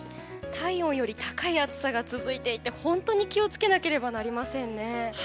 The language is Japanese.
体温より高い暑さが続いていて本当に気を付けなければなりませんね。